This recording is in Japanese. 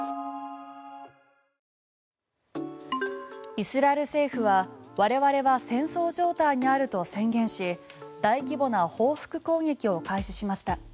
イスラエル政府は我々は戦争状態にあると宣言し大規模な報復攻撃を開始しました。